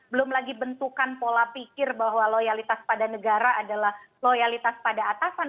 belum lagi bentukan pola pikir bahwa loyalitas pada negara adalah loyalitas pada atasan